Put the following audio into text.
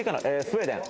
スウェーデン。